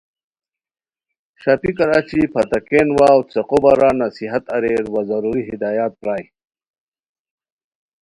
ݰاپیکار اچی پھتاکین واؤ څیقو بارا نصیحت اریر وا ضروری ہدایات پرائے